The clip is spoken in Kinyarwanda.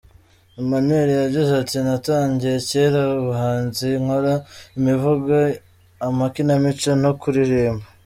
Emmanuel yagize ati: “Natangiye cyera ubuhanzi nkora imivugo, amakinamico no kuririmba.